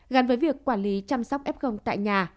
gắn với việc quản lý chăm sóc f tại nhà